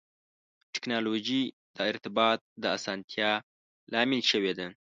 ټکنالوجي د ارتباط د اسانتیا لامل شوې ده.